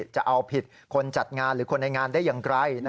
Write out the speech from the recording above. จะเอาผิดคนจัดงานหรือคนในงานได้อย่างไร